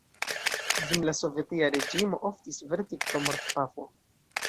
Dum la sovetia reĝimo oftis verdikto “mortpafo.